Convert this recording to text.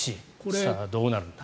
さあ、どうなるのか。